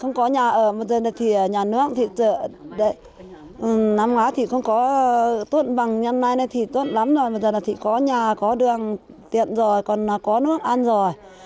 giờ thì tốt lắm rồi bây giờ thì có nhà có đường tiện rồi còn có nước ăn rồi